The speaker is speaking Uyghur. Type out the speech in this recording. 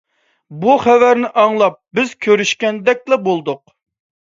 بۇ خەۋەرنى ئاڭلاپ، بىز كۆرۈشكەندەكلا بولدۇق.